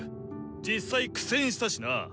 実際苦戦したしな！